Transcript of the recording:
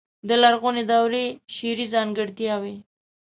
د لرغونې دورې شعري ځانګړتياوې.